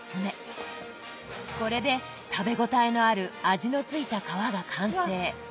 これで食べ応えのある味のついた皮が完成。